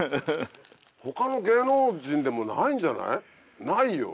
他の芸能人でもないんじゃない？ないよ。